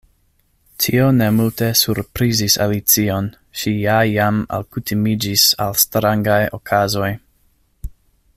Tio ne multe surprizis Alicion; ŝi ja jam alkutimiĝis al strangaj okazoj.